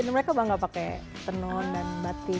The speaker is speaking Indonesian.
mereka bahkan gak pakai tenun dan lain lain